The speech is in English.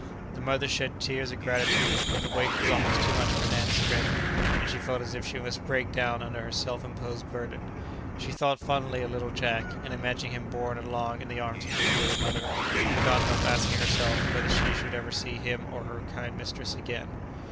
The mother shed tears of gratitude, but the weight was almost too much for Nan's strength, and she felt as if she must break down under her self imposed burden. She thought fondly of little Jack, and imagining him borne along in the arms of his weary mother, could not help asking herself whether she should ever see him or her kind mistress again.